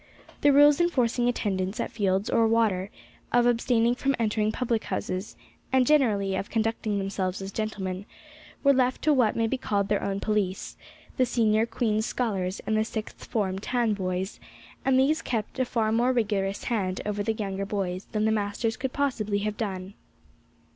The rules enforcing attendance at fields or water, of abstaining from entering public houses, and generally of conducting themselves as gentlemen, were left to what may be called their own police, the senior Queen's Scholars and the Sixth Form town boys, and these kept a far more rigorous hand over the younger boys than the masters could possibly have done.